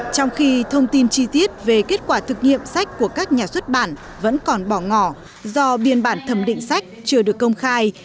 trong khi thông tin chi tiết về kết quả thực nghiệm sách của các nhà xuất bản vẫn còn bỏ ngỏ do biên bản thẩm định sách chưa được công khai